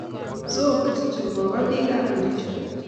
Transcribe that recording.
zoo kercho ko ba pik ab kericho